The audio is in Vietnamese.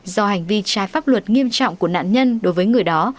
do hành vi trái pháp luật nghiêm trọng của nạn nhân đối với người đó